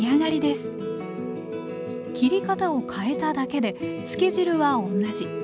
切り方を変えただけで漬け汁は同じ。